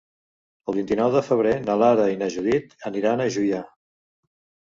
El vint-i-nou de febrer na Lara i na Judit aniran a Juià.